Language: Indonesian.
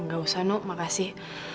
gak usah nuk makasih